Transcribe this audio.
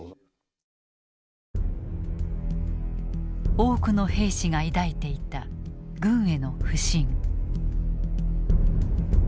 多くの兵士が抱いていた軍への不信。